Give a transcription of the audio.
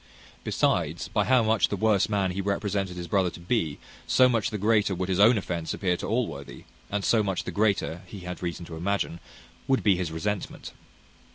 Besides, by how much the worse man he represented his brother to be, so much the greater would his own offence appear to Allworthy, and so much the greater, he had reason to imagine, would be his resentment.